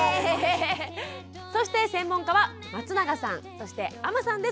そして専門家は松永さんそして阿真さんです。